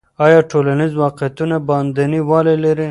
آیا ټولنیز واقعیت باندنی والی لري؟